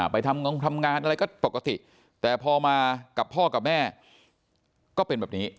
ไปทำงงทำงานอะไรก็ปกติแต่พอมากับพ่อกับแม่ก็เป็นแบบนี้